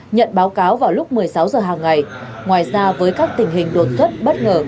nhận báo cáo vào lúc một mươi sáu h hàng ngày ngoài ra với các tình hình đột xuất bất ngờ